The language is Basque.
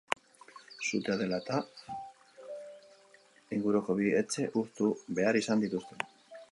Sutea dela dela, inguruko bi etxe hustu behar izan dituzte.